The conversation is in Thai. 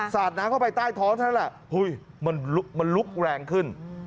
สาดน้ำเข้าไปใต้ท้องเท่านั้นแหละมันลุกแรงขึ้น